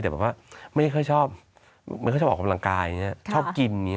แต่แบบว่าไม่เคยชอบไม่เคยชอบออกกำลังกายอย่างเงี้ยชอบกินอย่างเงี้ย